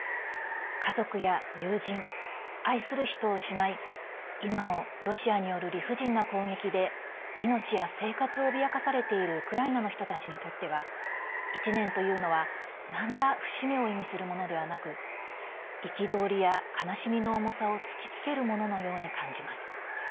家族や友人、愛する人を失い今もロシアによる理不尽な攻撃で命や生活を脅かされているウクライナの人たちにとっては１年というのは、なんら節目を意味するものではなく憤りや悲しみの重さを突きつけるもののように感じます。